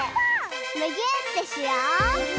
むぎゅーってしよう！